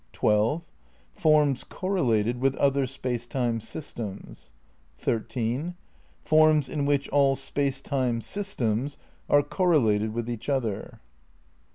12. Forms correlated with other space time systems. 13. Forms in which all space time systems are correlated with each other.